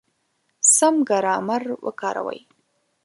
سم ګرامر وکاروئ!.